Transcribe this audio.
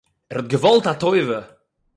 ער האט געוואלט א טובה